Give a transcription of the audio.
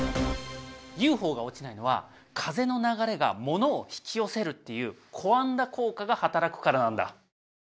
ＵＦＯが落ちないのは風の流れがものを引きよせるという「コアンダ効果」が働くからなんだ。